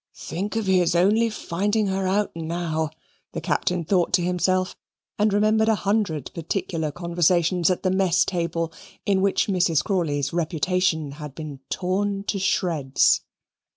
"Think of his only finding her out now," the Captain thought to himself, and remembered a hundred particular conversations at the mess table, in which Mrs. Crawley's reputation had been torn to shreds.